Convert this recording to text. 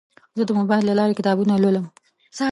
زه د موبایل له لارې کتابونه لولم.